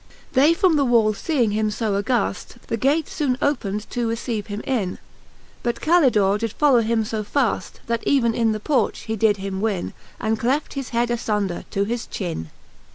XXIIL They from the wall him feeing fb aghafl^ The gate fbone opened to receive him in J But Calidore did follow him fb faft. That even in the Porch he him did win, And cleft his head afiinder to his chin.